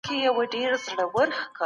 د ژوند حق د هر انسان اساسي اړتیا ده.